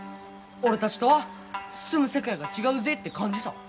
俺たちとは住む世界が違うぜって感じさ。